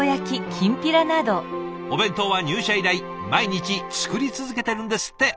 お弁当は入社以来毎日作り続けてるんですって。